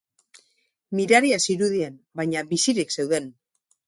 Miraria zirudien, baina bizirik zeuden.